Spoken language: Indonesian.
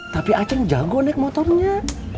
tapi aceng jago naik motornya